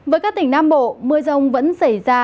với các tỉnh nam bộ mưa rông vẫn xảy ra